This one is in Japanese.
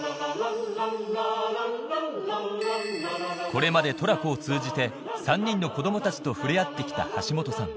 これまでトラコを通じて３人の子供たちと触れ合って来た橋本さん